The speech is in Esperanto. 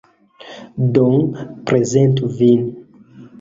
Do, prezentu vin!